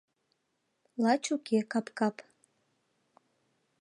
Лач уке кап-кап.